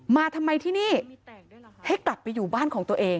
มาทำไมที่นี่ให้กลับไปอยู่บ้านของตัวเอง